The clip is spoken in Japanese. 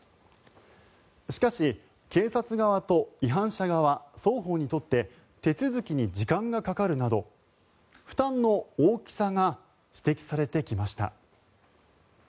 しかし、警察側と違反者側双方にとって手続きに時間がかかるなど負担の大きさが指摘されてきました。